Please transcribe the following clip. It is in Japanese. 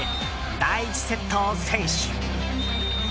第１セットを先取。